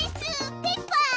ペッパー！